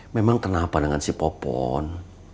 memang kenapa dengan si popon